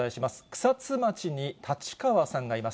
草津町に立川さんがいます。